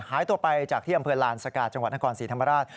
หายตัวไปจากที่อำเภอลานสกาจังหวัดนครศรีธรรมราช